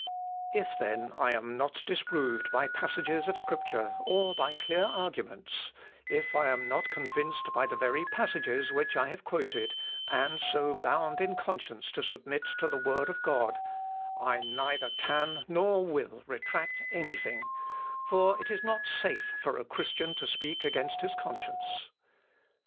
If, then, I am not disproved by passages of Scripture, or by clear arguments; if I am not convinced by the very passages which I have quoted, and so bound in conscience to submit to the word of God, I neither can nor will retract any thing, for it is not safe for a Christian to speak against his conscience."